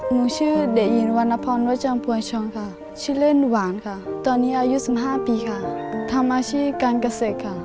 มุงชื่อเดะยินวันนภรวัชจังพวชมชื่อเรนหวานตอนนี้อายุ๑๕ปีทำอาชีพการเกษตร